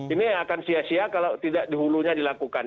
ini akan sia sia kalau tidak di hulunya dilakukan